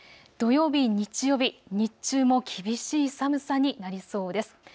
土曜日、日曜日、日中も厳しい寒さになりそうです。